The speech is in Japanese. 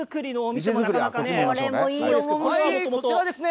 こちらですね